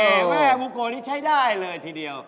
นี่แม่บูโกยนี่ใช้ได้เลยทีเดียว